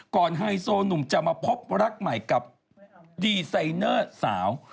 ไฮโซหนุ่มจะมาพบรักใหม่กับดีไซเนอร์สาว